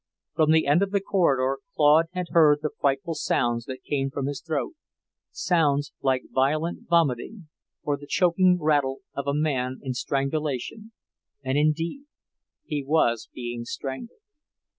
From the end of the corridor Claude had heard the frightful sounds that came from his throat, sounds like violent vomiting, or the choking rattle of a man in strangulation, and, indeed, he was being strangled.